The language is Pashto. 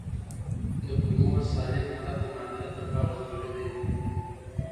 د کولمو سالم حالت د معافیت لپاره ضروري دی.